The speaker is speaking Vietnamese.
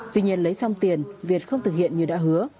tuy nhiên lấy xong tiền việt không thực hiện như đã hứa